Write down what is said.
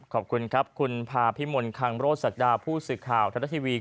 ขอบคุณครับคุณพาพิมลคังโรศักดาผู้ศึกข่าวธรรมดาทีวี